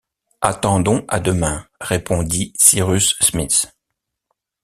Attendons à demain, répondit Cyrus Smith.